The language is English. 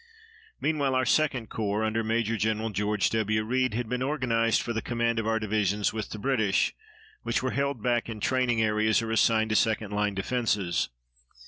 Meanwhile our 2d Corps, under Major Gen. George W. Read, had been organized for the command of our divisions with the British, which were held back in training areas or assigned to second line defenses.